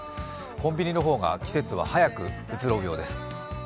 コンビニの方が季節は早く移ろうようです。